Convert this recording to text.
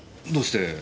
どうして？